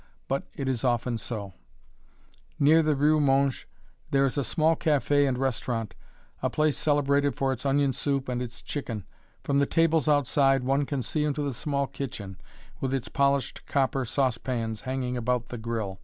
But it is often so. [Illustration: (portrait of woman)] Near the rue Monge there is a small café and restaurant, a place celebrated for its onion soup and its chicken. From the tables outside, one can see into the small kitchen, with its polished copper sauce pans hanging about the grill.